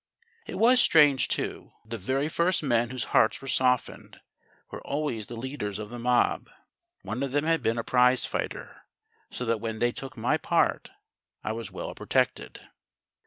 "It was strange too, that the very first men whose hearts were softened were always the leaders of the mob one of them had been a prize fighter. So that when they took my part I was well protected.